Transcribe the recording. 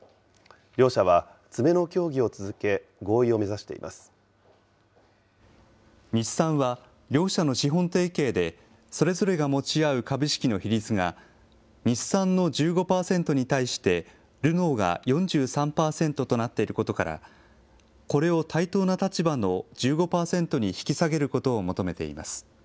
両社は詰めの協議を続け、合意を目指日産は、両社の資本提携で、それぞれが持ち合う株式の比率が、日産の１５％に対して、ルノーが４３％となっていることから、これを対等な立場の１５％に引き下げることを求めています。